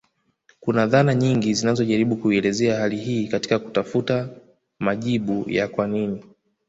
Kuna dhana nyingi zinazojaribu kuielezea hali hii katika kutafuta majibu ya kwa nini